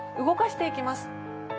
動かしていきます。